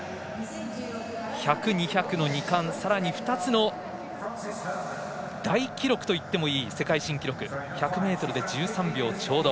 １００、２００の２冠さらに２つの大記録といってもいい世界新記録、１００ｍで１３秒ちょうど。